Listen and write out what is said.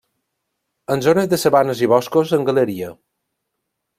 En zones de sabanes i boscos en galeria.